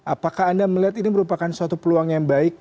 apakah anda melihat ini merupakan suatu peluang yang baik